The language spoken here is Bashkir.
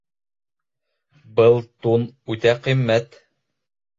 Был тун үтә ҡиммәт